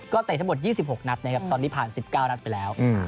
เตะทั้งหมด๒๖นัดนะครับตอนนี้ผ่าน๑๙นัดไปแล้ว